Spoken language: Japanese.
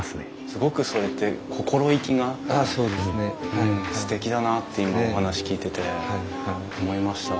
すごくそれって心意気がすてきだなって今お話聞いてて思いました。